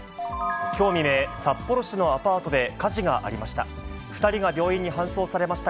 きょう未明、札幌市のアパートで火事がありました。